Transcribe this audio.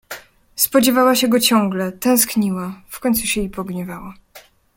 "Spodziewała się go ciągle, tęskniła, w końcu się i pogniewała."